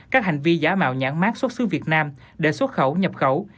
các hành vi giả mạo nhãn mát xuất xứ việt nam để xuất khẩu nhập khẩu